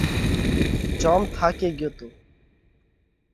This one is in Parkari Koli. جوم ٿاڪي ڳيو تو۔